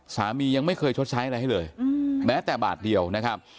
สามียังไม่เคยชดใช้อะไรให้เลยแม้แต่บาทเดียวนะครับ